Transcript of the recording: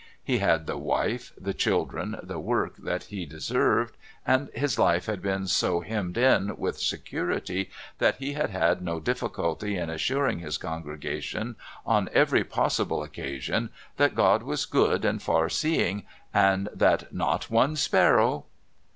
He had the wife, the children, the work that he deserved, and his life had been so hemmed in with security that he had had no difficulty in assuring his congregation on every possible occasion that God was good and far seeing, and that "not one sparrow..."